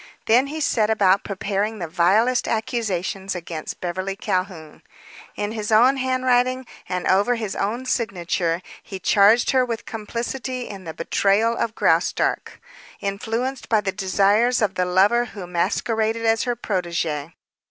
Then he set about preparing the vilest accusations against Beverly Calhoun. In his own handwriting and over his own signature he charged her with complicity in the betrayal of Graustark, influenced by the desires of the lover who masqueraded as her protege.